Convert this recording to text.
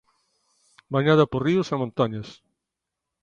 Bañada por ríos e montañas.